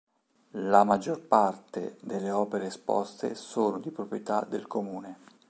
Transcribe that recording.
La maggior parte delle opere esposte sono di proprietà del comune.